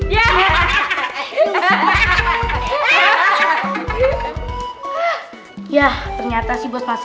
iyah ternyata sih belum disesuaian